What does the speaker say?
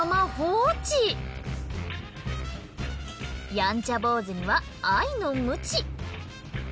やんちゃ坊主には愛の鞭。